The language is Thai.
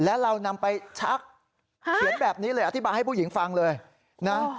แล้วเรานำไปชักเขียนแบบนี้เลยอธิบายให้ผู้หญิงฟังเลยนะ